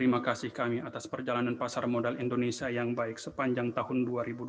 terima kasih kami atas perjalanan pasar modal indonesia yang baik sepanjang tahun dua ribu dua puluh